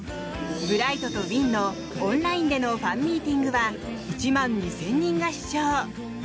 ブライトとウィンのオンラインでのファンミーティングは１万２０００人が視聴。